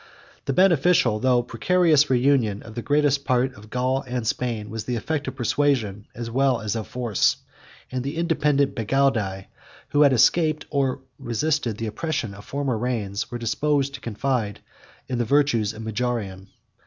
The beneficial, though precarious, reunion of the greater part of Gaul and Spain, was the effect of persuasion, as well as of force; 47 and the independent Bagaudae, who had escaped, or resisted, the oppression, of former reigns, were disposed to confide in the virtues of Majorian.